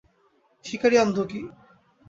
শিকারী অন্ধ কি?